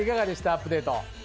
アップデート。